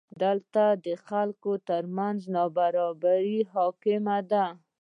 دلته د خلکو ترمنځ نابرابري حاکمه ده.